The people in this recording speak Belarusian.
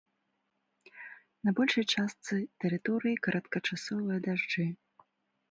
На большай частцы тэрыторыі кароткачасовыя дажджы.